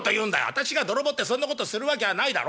私が泥棒ってそんなことするわきゃあないだろ？